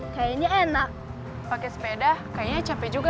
kalau pakai sepeda kayaknya enak